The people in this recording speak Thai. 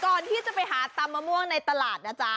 ก่อนที่จะไปหาตำมะม่วงในตลาดนะจ๊ะ